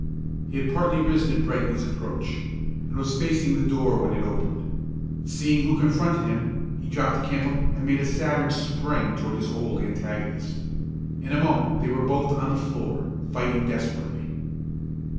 He had partly risen at Brightly's approach, and was facing the door when it was opened. Seeing who confronted him, he dropped the candle and made a savage spring toward his old antagonist. In a moment they were both on the floor, fighting desperately.